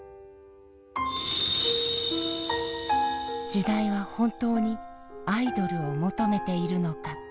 時代は本当にアイドルを求めているのか。